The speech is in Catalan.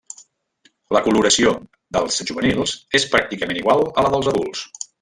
La coloració dels juvenils és pràcticament igual a la dels adults.